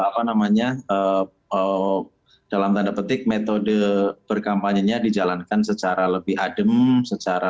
kenamannya the power dalam tanda petik metode berkampanyenya dijalankan secara lebih adem secara